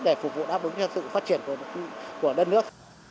đáp ứng cho sự phát triển của đất nước